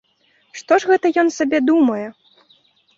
Што ж гэта ён сабе думае?